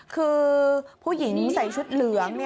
คือผู้หญิงใส่ชุดเหลือง